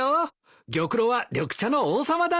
玉露は緑茶の王様だね。